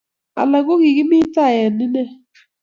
Alak ko ki kimii tai eng inne.